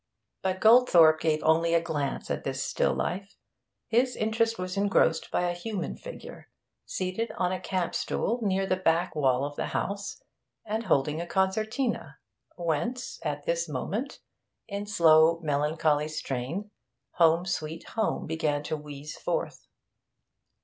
But Goldthorpe gave only a glance at this still life; his interest was engrossed by a human figure, seated on a campstool near the back wall of the house, and holding a concertina, whence, at this moment, in slow, melancholy strain, 'Home, Sweet Home' began to wheeze forth.